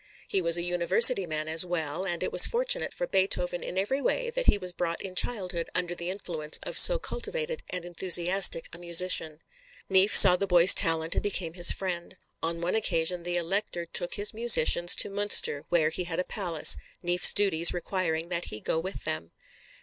He was a university man as well, and it was fortunate for Beethoven in every way that he was brought in childhood under the influence of so cultivated and enthusiastic a musician. Neefe saw the boy's talent and became his friend. On one occasion the Elector took his musicians to Münster where he had a palace, Neefe's duties requiring that he go with them.